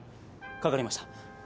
かかりました。